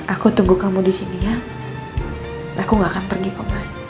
aku tunggu kamu di sini aku nggak akan pergi ke